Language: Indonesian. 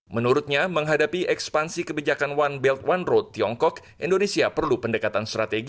menurutnya menghadapi ekspansi kebijakan one belt one road tiongkok indonesia perlu pendekatan strategi